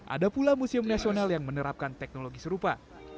ada pula museum nasional yang menerapkan teknologi serupa